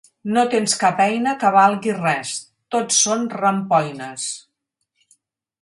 No tens cap eina que valgui res: tot són rampoines.